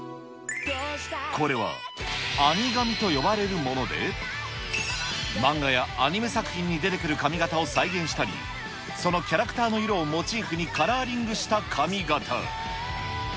これは、アニ髪と呼ばれるもので、漫画やアニメ作品に出てくる髪形を再現したり、そのキャラクターの色をモチーフにカラーリングした髪形。